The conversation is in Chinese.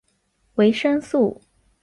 维生素。